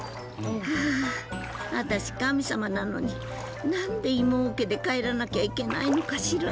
「はあ私神様なのに何で芋桶で帰らなきゃいけないのかしら」。